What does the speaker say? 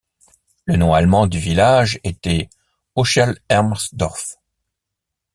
Le nom allemand du village était Ochelhermsdorf.